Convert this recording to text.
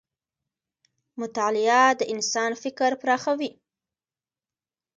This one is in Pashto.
مطالعه د انسان فکر پراخوي.